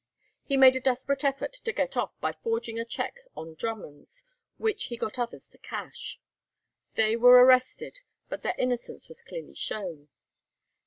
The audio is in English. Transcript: He made a desperate effort to get off by forging a cheque on Drummonds, which he got others to cash. They were arrested, but their innocence was clearly shown.